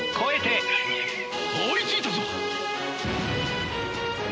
追いついたぞ！